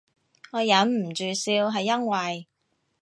我忍唔住笑係因為